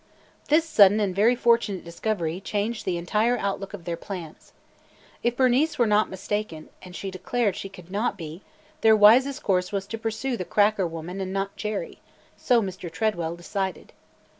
This sudden and very fortunate discovery changed the entire outlook of their plans. If Bernice were not mistaken, (and she declared she could not be), their wisest course was to pursue the "cracker" woman and not Jerry, so Mr. Tredwell decided.